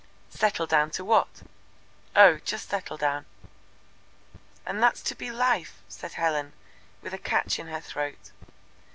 " "Settle down to what?" "Oh, just settle down." "And that's to be life!" said Helen, with a catch in her throat.